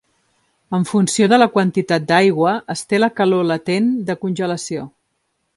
En funció de la quantitat d'aigua es té la calor latent de congelació.